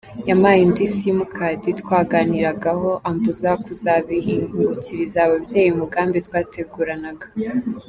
Yampaye indi simukadi twaganiriragaho ambuza kuzabihingukiriza ababyeyi umugambi twateguranaga.